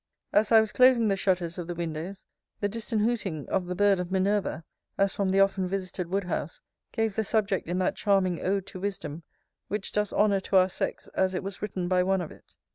As I was closing the shutters of the windows, the distant whooting of the bird of Minerva, as from the often visited woodhouse, gave the subject in that charming Ode to Wisdom, which does honour to our sex, as it was written by one of it.